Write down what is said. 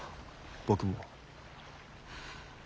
僕も。